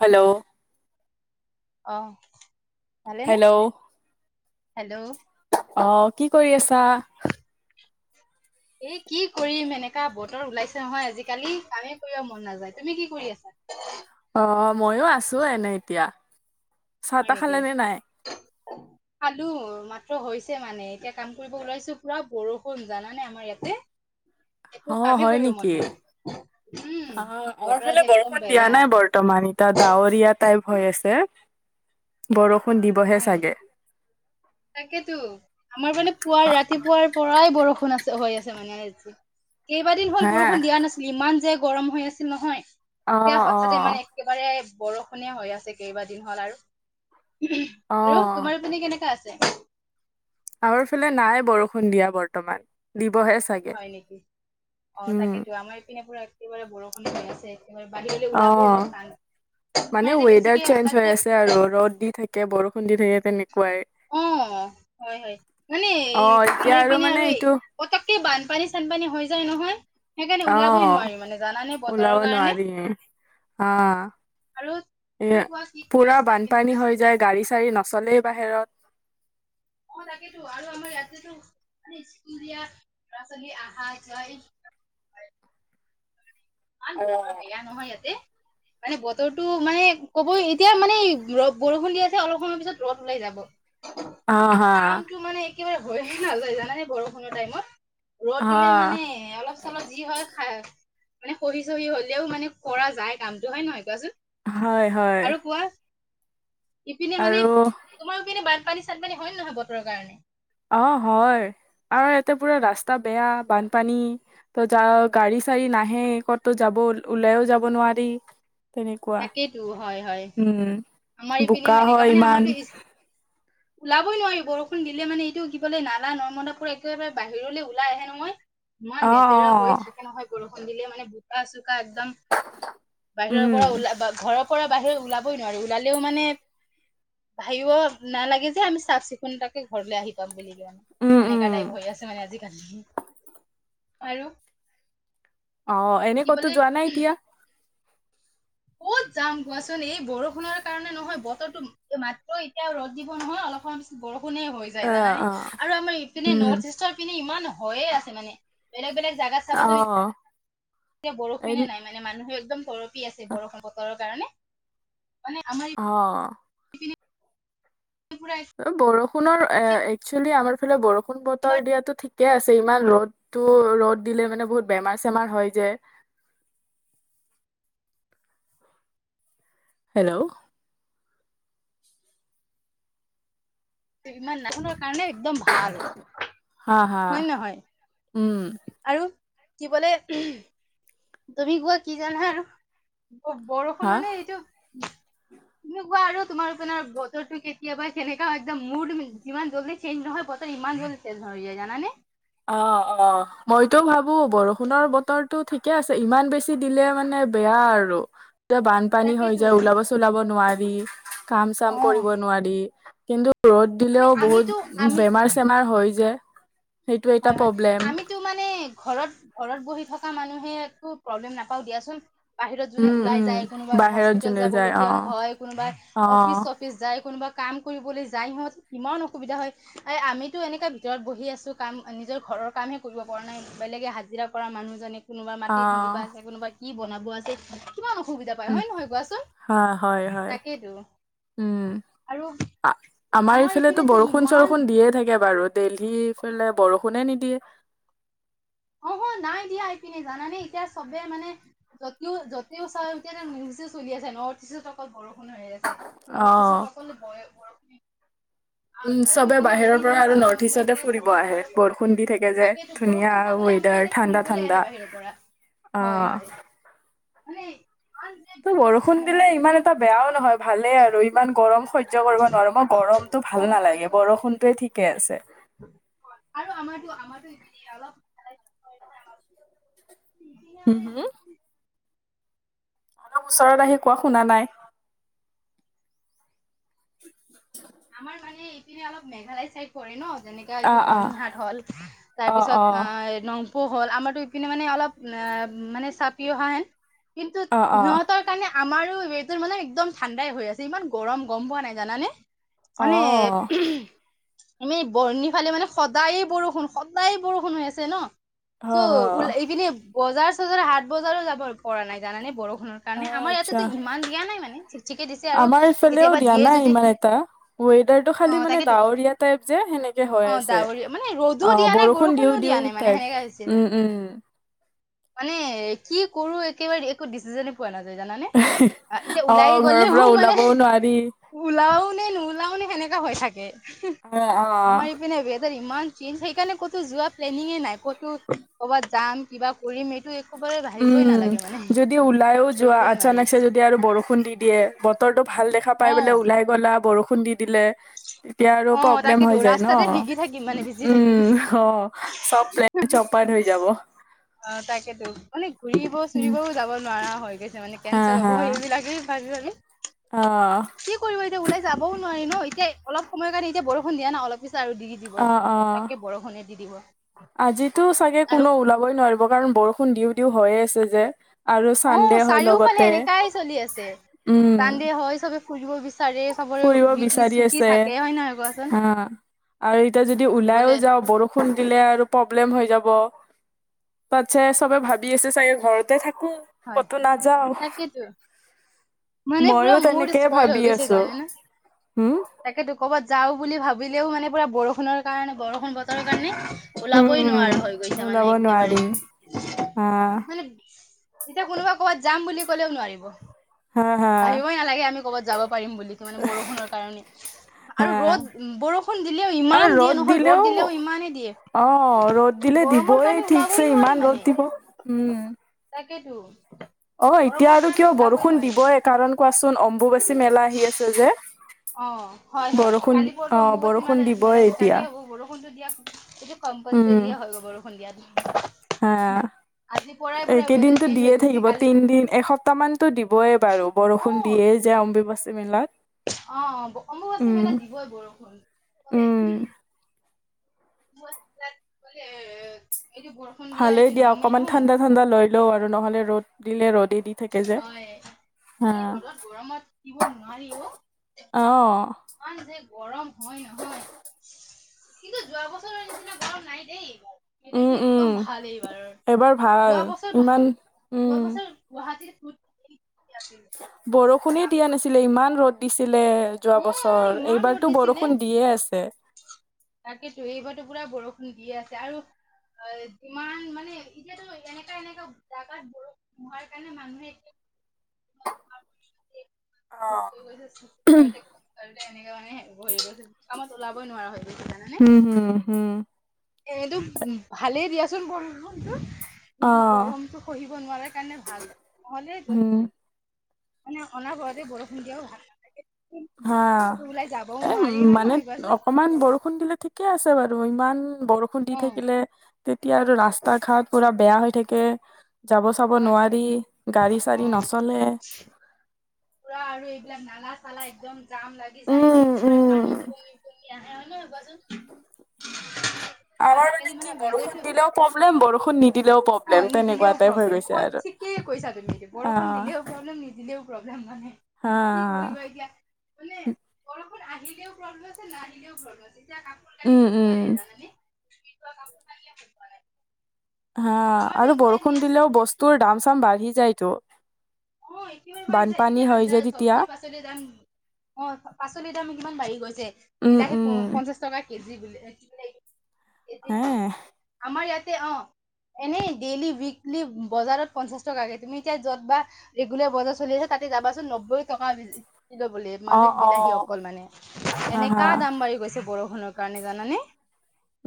Hello. অহ। ভালেনে? Hello hello. অ কি কৰি আছা? এ কি কৰিম এনেকা বতৰ ওলাইছে নহয়, আজিকালি কামেই কৰিব মন নাযায়। তুমি কি কৰি আছা? অ', মইয়ো আছো এনে এতিয়া। হয় ছা-তা নেকি খালে নে নাই? খালো মাত্ৰ হৈছে মানে এতিয়া কাম কৰিব ওলাইছো পুৰা বৰষুণ জানানে, আমাৰ ইয়াতে। একো অ', কামেই হয় কৰিব মন নেকি? নাই উম অ আমাৰ বতৰ ফালে আজি একদম বৰষুণ দিয়া বেয়া নাই বৰ্তমান এতিয়া ডাৱৰীয়া টাইপ হৈ আছে বৰষু সুন দিবহে হয় চাগে! নেকি তাকেতো আমাৰ মানে পুৱাৰ ৰাতিপুৱাৰ পৰাই বৰষুণ ষোণ আছে হৈ আছে মানে আজি। কেইবাদিন হল হে বৰষুণ দিয়া নাছিল, ইমান যে গৰম হৈ আছিল নহয়। অ এতিয়া অ হঠাতে মানে একেবাৰে বৰষুণীয়া হৈ আছে কেইবাদিন হ'ল আৰু অ ব তোমাৰোপিনে কেনেকোৱা আছে। [inaudible] আমাৰ ফালে নাই বৰষুণ দিয়া বৰ্তমান দি হয় নেকি অ', উম তাকেতো আমাৰ ইপিনে পুৰা একেবাৰে বৰষুণ হৈ আছে। একেবাৰে বাহিৰলৈ ওলাবও অ', অলপ টান। আমাৰ মানে ইয়াতে বেছিকে ৱেডাৰ চেঞ্জ হৈ হঠাতে আছে আৰু ৰ'দ দি থাকে বৰষুণ দি যে তেনে অ', হয়, হয়, মানে এ অ এতিয়া আমাৰ ইপিনে মানে আৰু এই এইটো পতককে বানপানী চানপানী হৈ যায় নহয়। সেইকাৰণে ওলাবই অ', নোৱাৰি মানে জানানে ওলাব বতৰৰ কাৰণে নোৱাৰি অ', আৰু তুমি এ, কোৱা কি কৰি পুৰা আছা বানপানী কেনেকা হৈ চলি যায় আছে গাড়ী চাৰী নচলেই বাহিৰত। অ', তাকেতো আৰু আমাৰ ইয়াতেতো মানে স্কুল দিয়া লৰা-ছোৱালী আহা যোৱা ইমান অ বতৰ বেয়া নহয় ইয়াতে। মানে বতৰটো মানে ক'ব এতিয়া মানে ৰ' বৰষুণ দি আছে অলপ সময়ৰ পিছত ৰ'দ ওলাই যাব। হা কামটো মানে একেবাৰে হৈয়ে নাযায় জানানে বৰষ কোনো টাইমত ৰ'দ হা দিলে মানে অলপ চলপ যি হয় খাই মানে হহি চহি হ'লেও মানে কৰা যায় কামটো হয় নহয় কোৱাচোন। হয়, হয়। আৰু কোৱা ইপিনে মানে আৰু তোমাৰ ইপিনে ব পানী চানপানী হয় নে নহয় বতৰৰ কাৰণে অ', হয় আৰু ইয়াতে পুৰা ৰাস্তা বেয়া বানপানী ত য গাড়ী চাড়ী নাহে ক'তো যাব ওলাইও যাব নোৱাৰি। তেনেকুৱা তাকেইতো হয় হয়। উম, আমাৰ ইপিনেও বোকা এনেকা হয় মানে ইমান। আমাৰতো ইচ- ওলাবই নোৱাৰি বৰষুণ দিলে মানে এইটো কিবলে নালা নৰ্মদাবোৰ একেবাৰে বাহিৰলৈ ওলাই আহে নহয়। ইমান অ অ লেতেৰা হৈ থাকে নহয় বৰষুণ খুন্দিলে মানে বুটা কা একদম বাহিৰৰ উম পৰা ওলাই বা ঘৰৰ পৰা বাহিৰে ওলাবই নোৱাৰি ওলালেও মানে ভাবিব নালাগে যে আমি চাফ চিকুণতাকে ঘৰলৈ আহি পাম বুলি। উম উম এনেকা টাইপ হৈ আছে মানে আজি আৰু অ' এনে কি ক'তো বোলে যোৱা নাই এতিয়া ক'ত যাম কোৱাচোন এই বৰষুণৰ কাৰণে নহয়, বতৰতো মাত্ৰ এতিয়া ৰ'দ দিব নহয় অলপ সময় পিছত বৰষুণ কোনে হৈ অ যায় জানানে অ আৰু আমাৰ ইপিনে উম নৰ্থ ইষ্টৰ পিনে ইমান হয়য়ে আছে মানে বেলেগ বেলেগ জাগাত অ চাবাচোন এতিয়া এ বৰষুণে নাই মানে মানুহে একদম কৰক কি আছে বৰষুণ বৰৰ কাৰণে মানে আমাৰ অ' ইপিনে পুৰা অ' বৰষু পুনৰ একচুৱেলি আাৰ ফাল বৰষ বৰষুণ বতৰ দিয়াতো ঠিক ঠিকে আছে ইমান ৰ'দতটো ৰ'দ দিলে মানে বহুত বেমাৰ চেমাৰ হয়, যে হেল্ল' কিমান কাৰণে একদম ভাল হা হা হয় নহয় উম আৰু কি বলে তুমি গোৱাা কি জান হ বৰষুণ হা মানে এইটো তেনেকুৱা আৰু তোমাৰপোনাৰ বতৰটো কেতিয়াবা যেনেকা একদম মুড যিমান জলদি চেঞ্জ নহয় বতৰ ইমান জল্দি চেঞ্জ হৈ যায়। জানানে অ' অ' মইতো ভাবো বৰষুণৰ বতৰটো ঠিকে আছে। ইমান বেছি দিলে মানে বেয়া আৰু এতিয়া বানপানী হৈ তাকেইতো যায় ওলাব চোলাব নোৱাৰি। [unintelligible] কাম চাম অ কৰিব নোৱাৰি কিন্তু ৰ'দ মানে দিলেও বহুত আমিতো আমি বেমাৰ চেমাৰ হৈ যায়। হয় হয় আমিতো মানে ঘৰত ঘৰত বহি থাকো। থকা মানুহে একো প্ৰব্লেম নাপাও দিয়াচোন। বাহিৰত যোনে উম ওলাই উম যায় কোনোবাই বাহিৰত হস্পিতেল যোনে যাব যায় অ লগগীয়া হয়। কোনোবাই অফিচ অ চফিচ যায় কোনোবা কাম কৰিবলৈ যাই সিহঁত কিমান অসুবিধা হয়, এই আমিতো এনেকুৱা ভিতৰত বহি আছোঁ। কাম নিজৰ ঘৰৰ কামহে কৰিব পৰা নাই বেলেগে হাজিৰা কৰা মানুহজননে কোনোবা মাটি খুন্দিবা অ আছে কোনোবা কি বনাব আছে। কিমান অসুবিধা পায় উ'ম হয় নহয় কোৱাচোন হয়, হয় তাকেইতো উ'ম আৰু আমাৰ ইফালেতো ইপিনেতো বৰষুন ইমান চৰষুণ দিয়ে থাকে বাৰু দেইহিফালে বৰষুণ নে নিদিয়ে। অ'হ নাই দিয়া এইপিনে জানানে এতিয়া চবে মানে যতেও যতেও চা এতিয়া নিউজ চলি আছে নৰ্থ ইষ্টত অকল বৰষুণ কৈ আছে নৰ্থ অ'। ইষ্টত অকল বৰষুণ হৈ আছে। উম চবে বাহিৰৰ দেলহি পিনে পৰা আৰু চাবা নৰ্থ মুম্বাই ইষ্টতে পিনে ফুৰিব চাবা আহে বাহিৰৰ বৰষুণ দি থাকে যে তাকেতো ধুনীয়া বৰষুণ আও চাবলৈ আমাৰ ৱেদাৰ ইয়াতে ঠাণ্ডা ফুৰিবলৈ আহে ঠাণ্ডা, বাহিৰৰ পৰা হয় হয় অঁ [unintelligible] যে ত বৰষুণ দিলে নহয় ইয়াতে ইমান এটা বেয়াও নহয় ভালেই আৰু ইমান গৰম সহ্য কৰিব নোৱাৰো মই গৰমতটো অ ভাল হৈ যাব। নালাগে বৰষুনটোৱে ঠিকেই আছে। আৰু আমাৰতো আমাৰতো [unintelligible] অলপ [unintelligible] হম হম অলপ ওচৰত আহি কোৱা শুনা নাই। আমাৰ মানে ইপিনে অলপ মেঘালয় চাইড পৰে ন যেনেকৈ এইটো অ', অ', বৰ্নিহাট হ'ল অ', অ', তাৰপিছত ন পহ হ'ল আমাৰতো ইপিনে মানে অলপ অম মানে চাপি অহা হেন কিন্তু অ', সিহঁতৰ কাৰণে আমাৰো ৱেডাৰটো মানে একদম ঠাণ্ডাই হৈ আছে ইমান গৰম গম পোৱা নাই জানানে। মানে অ', আমি বৰ্ণিফালে মানে সদায় বৰষুণ সদায় বৰষুণ হৈ আছে ন অ', চ' অ'। উল এইপিনে বজাৰ-চজাৰ হাত বজাৰো যাব পৰা নাই জানানে বৰষু অ কাৰণে আমাৰ আচ্ছা ইয়াতেতো ইমান দিয়া নাই মানে চিক চিককে দিছে আৰু আমাৰ এইফালেও কেতিয়াবা দিয়া দিয়ে নাই যদি ইমান এটা ৱেডাৰটো অ খালি মানে তাকেতো ডাৱৰীয়া টাইপ যে সেনেকে হৈ অ আছে, ডাৱৰীয়া মানে ৰ'দো অ দিয়া নাই বৰষুণ বৰষুণো দিও দিয়া দিও নাই মানে টাইপ। সেনেকা হৈছিলে উম উম মানে কি কৰো একেবাৰে একো ডিচিশনে পোৱা নাযায় জানানে এতিয়া অ ওলাই ঘৰৰ গলেও পৰা মানে, ওলাবও নোৱাৰি ওলাও নে নো তাৰমানে সেনেকা হয় চাগে অঁ অঁ অঁ ইমান চেঞ্জ সেইকাৰণে ক'তো যোৱা প্লেনিঙে নাই ক'তো কৰ'বাত যাম কিবা কৰিম এইটো একেবাৰে ভাবিবই উম, নালাগে মানে যদি ওলাইও যোৱা কৰিবই নোৱাৰি অচানকছে যদি আৰু বৰষুণ দি দিয়ে বতৰটো ভাল দেখা পাই অ বোলে ওলাই গ'লা বৰষু খুন্দি দিলে এতিয়া আৰু অ প্ৰব্লেম তাকেতো হৈ যায় ন, ৰাস্তাতে ভিগি থাকিম মানে ভিজি থাকিম উম অঁ চব প্লেন চপাত হৈ যাব। বুলি ফুৰিব উম চুৰিবও যাব নোৱাৰা হয়। তাৰমানে হা কেঞ্চেল হ'ব হা স এইবিলাকেই ভাবি ভাবি। অ কি কৰিব এতিয়া ওলাই যাবও নোৱাৰি ন। তে অলপ, সময়ৰ কাৰনে এতিয়া বৰষুণ দিয়া নাই অলপ আৰু দি-দি দিব অ অ প তাকে বৰষুণে দি দিব। আজিতো চাগে আৰু কোনো ওলাবই নোৱাৰিব। কাৰণ বৰষুণ দিওঁ-দিওঁ হয়েই আছে যে। আৰু অ' চানডে হয় চাৰিওফালে লগতে এনেকাই চলি আছে উম চান্দে হয় চবে খুজিব, ফুৰিব বিচাৰি আছে হয় নহয় কোৱাচোন হ আৰু এতিয়া যদি ওলাইও দিবলে যাওঁ বৰষুণ দিলে আৰু প্ৰব্লেম হৈ যাব। তাতছে চবে ভাবি আছে চাগে ঘৰতে থাকি হয় কতো নাযাও তাকেতো মানে পুৰা ময়ো মুড তেনেকেই স্পইল ভাবি হৈ গৈছে আছো। জানেনে হম তাকেতো ক'বাত যাওঁ বুলি ভাবিলেও মানে পূৰা বৰষুণৰ কাৰণে বৰষুণ বতৰৰ কাৰণে। উম ওলাবই উম নোৱাৰা হৈ গৈছে ওলাব মানে নোৱাৰি একেবাৰে হা মানে। ক'ৰবাত যাম বুলি ক'লেও নোৱাৰিব। হা হা ভাবিবই নালাগে আমি ক'ৰবাত যাব পাৰিম বুলি কি মানে বৰষুণৰ কাৰণে আৰু হা ৰ'দ বৰষুণ দিলেও ইমান দিয়ে নহয় ৰ'দ দিলেও ইমানেই দিয়ে অ' ৰ'দ দিলে গৰমৰ দিবই কাৰণে ঠিকছে ওলাবই নোৱাৰি ইমান ৰ'দ মানে। দিব। উম। তাকেতো। অ এতিয়া গৰমৰ আৰু কাৰণে কিয় ওলাবই বৰষুণ নোৱাৰি মানে দিবই কাৰণ কোৱাচোন। চুন। অ হয়-হয় বৰষুণ কালি পৰাতো অ' অম্বুবাচী ম বৰষুণ দিবই মেলা এতিয়া। ষ্টাৰ্টেই হ'ব বৰষুণতটো দিয়া এইটো উম। কম্পালচৰিয়ে হয় গ বৰষুণ দিয়াটো। হা আজিৰ পৰাই পুৰা ৱেডাৰ এইকেইদিনতো চেঞ্জ হৈ দিয়ে গৈছে থাকিব কালি তিনদিন এসপ্তাহ মানতো দিবইে বাৰু অ বৰষুণ দিয়ে যে অম্বুবাচী। মেলাত। অ' অম্বুবাচী উম। মেলাত দিবই বৰষুণ। উম, লে [unintelligible] ভালেই দিয়া অকণমান ঠাণ্ডা-ঠাণ্ডা লৈ লও আৰু নহ'লে ৰ'দ, দিলে ৰদ। হয় এই ৰ'দত গৰমত থাকিব নোৱাৰি অ অ' কাৰন যে গৰম হয় নহয়। কিন্তু যোৱা বছৰৰ নিচিনা গৰম নাই দে। উম, সেইটোতো উম। একদম ভালেই বাৰু এবাৰ ভাল যোৱা বছৰ ভাল ইমান যোৱা বছৰ। গুৱাহাটী বৰষুণ শুনি দিয়া নাছিলে ইমান। ৰ'দ দিছে লে যোৱা অ অ বছৰ ইমান ৰ'দ এইবাৰতো দিছিলে বৰষুণ দিয়ে আছে। দি আছে আৰু অ', যিমান মানে এতিয়াতো এনেকা-এনেকা জাগাত বৰষুণ হোৱাৰ কাৰণে মানুহে এতিয়া [unintelligible] ত এনেককাে মানে হয় গৈ ওলাবই নোৱাৰা হয়। জানা নে! উম হুম হুম একদম ভালেই দিয়া চোন বৰষূণটো কিন্তু গৰমতটো সহিব নোৱাৰাৰ কাৰণে ভাল নহলে উম। মানে অনাৰ বৰতে বৰষুণ দিয়াও ভাল নালাগে হা ওলাই যাবও এ নোৱাৰি হয় মানে নহয় কোৱাচোন অকমান বৰষুণ দিলে ঠিকে আছে বাৰু ইমান বৰষুণ দি অ থাকিলে তেতিয়া আৰু ৰাস্তা-ঘাট পুৰা বেয়া হৈ থাকে। যাব-চাব হয় হয় নোৱাৰি অ গাড়ী-চাৰি নচলে। পুৰা আৰু নালা চালা একদম জাম লাগি যায়, উম একেবাৰে উম। পানী ওপঙি ওঙি আহে। হল বাজন [unintelligible] আমাৰ মানে কি বৰষুণ দিলও প্ৰব্লেম, বৰষুণ নিদিলেও প্ৰব্লেম অ', তেনেকুৱা নিদিলেও টাইপ হৈ প্ৰব্লেম গৈছে হয় আৰু। ঠিকেই কৈছা তুমি। বৰষুণ অ দিলেও প্ৰব্লেম নিদিলেও প্ৰব্লেম মানে হা কি কৰিবা এতিয়া মানে গ আোন আহিলেও পব্লম আছে নাহিলেও প্ৰব্লেম আছে। এতিয়া কাপোৰ কানি উম উম। শুকুৱাই নাই জানা নে? [unintelligible] হা আৰু বৰষুণ দিলেও বস্তুৰ দাম চাম বাঢ়ি যায়তো। অ', একবাৰে বাঢ়ি যায় বানপানী ।এতিয়া হয় আঞ্জা যে তেতিয়া। চব্জিৰ পাচলিৰ দাম অ', পাচলিৰ দাম কিমান বাঢ়ি গৈ চে উম বিলাহী উম। পঞ্চাশ টকা কেজি। [unintelligible] এতি হে কি আমাৰ ইয়াত অ', এনেই ডেইলি উইকলি বজাৰত পঞ্চাশ টকাকে তুমি এতিয়া য'ত বা এইগুলিয় বজাৰ চলি আছে তাতে যাবাচোন নব্বৈ টকা কেজি। ল' ব অ মানে অ বিলাহী অকল মানে হা হা। এনেকা দাম বাঢ়ি গৈছে। বৰষুণ ন কাৰণে জানানে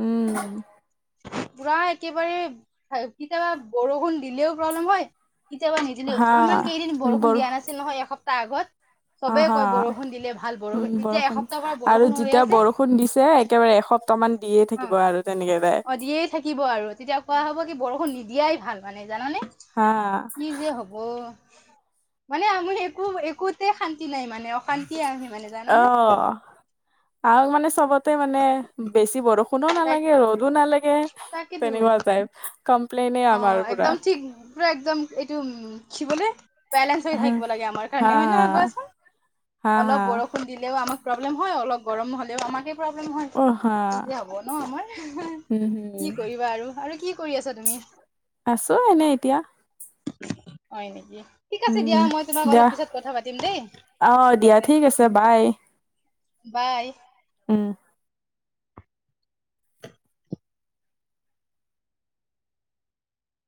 উ'ম। পুৰা একেবাৰে কেতিয়াবা বৰষুণ দিলেও প্ৰব্লেম হয়। কেতিয়াবা হা নিদিলেওঁ। ইমান কেইদিন বৰষুণ বৰ দিয়া নাছিল নহয়, এসপ্তাহ আগত অ চবেই হা কয় বৰষুণ দিলে ভাল বৰষুণ এতিয়া এসপ্তাহৰ পৰা আৰু বৰষুণ হৈ আছে। বৰ্তমান দিয়ে অ থাকিব আৰু তেনেকে। তাই। অ' দিয়েই থাকিব আৰু তেতিয়া কোৱা হব কি বৰষুণ নিদিয়াই ভাল মানে- জানানে হা কি যে হব। মানে আমৰ একো একোতে শান্তি নাই মানে অশান্তি আৰু অ' আৰু মানে চবত সিটো মানে বেছি বৰষুণ বৰষুণো তাক নালাগে ৰ'দো নালাগে। তাকেতো তেনেকুৱা যায়। অ' একদম ঠিক পৰা একদম এইটো উ'ম কি বোলে- বেলেঞ্চ হৈ হা। থাকিব লাগে আমাৰ হা কাৰণে হয়, নহয় কোৱাচোন হা অলপ হা বৰষুণ দিলেও আমাক প্ৰব্লেম হয় অলপ গৰম নহ'লেও আমাকে প্ৰব্লেম হয় অ হা নিজে হব ন আমাৰ উম কি হম কৰিবা আৰু আৰু কি কৰি আছা তুমি? আছো এনে এতিয়া। হয় নেকি। ঠিক আছে দিয়া উ'ম মই তোমাক দিয়া অলপ পিছত কথা পাতিম দেই অ দিয়া ঠিক আছে ।বাই। বাই। উ'ম।